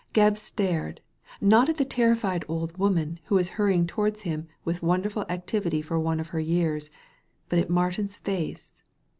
Gebb stared, not at the terrified old woman, who was hurrying towards him with wonderful activity for one of her years, but at Martin's face.